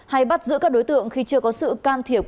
hay bắt giữ các đối tượng khi chưa có sự can thiệp